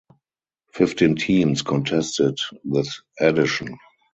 Fifteen teams contested this edition.